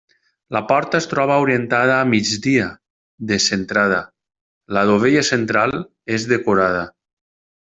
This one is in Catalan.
La porta es troba orientada a migdia, descentrada; la dovella central és decorada.